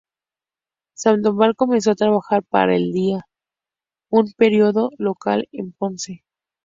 Sandoval comenzó a trabajar para "El día", un periódico local en Ponce.